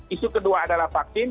isu kedua adalah vaksin